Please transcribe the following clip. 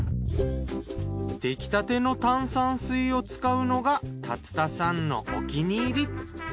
できたての炭酸水を使うのが竜田さんのお気に入り。